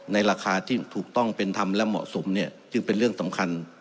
ราคาที่ถูกต้องเป็นธรรมและเหมาะสมเนี่ยจึงเป็นเรื่องสำคัญ